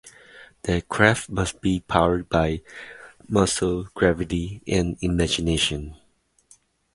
The craft must be powered by muscle, gravity, and imagination.